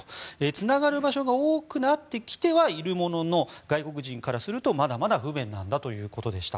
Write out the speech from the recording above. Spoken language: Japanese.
つながる場所が多くなってきてはいるものの外国人からするとまだまだ不便なんだということでした。